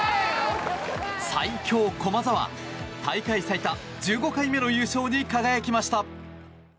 最強・駒澤、大会最多１５回目の優勝に輝きました。